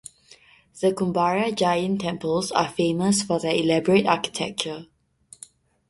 The Kumbharia Jain temples are famous for their elaborate architecture.